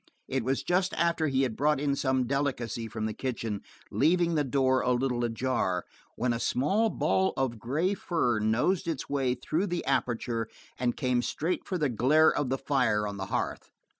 It was just after he had brought in some delicacy from the kitchen, leaving the door a little ajar, when a small ball of gray fur nosed its way through the aperture and came straight for the glare of the fire on the hearth.